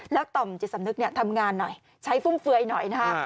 แล้วต่อมจิตสำนึกทำงานหน่อยใช้ฟุ่มเฟือยหน่อยนะฮะ